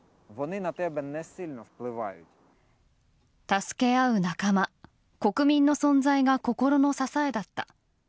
助け合う仲間、国民の存在が心の支えだった。